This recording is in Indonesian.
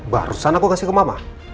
barusan aku kasih ke mama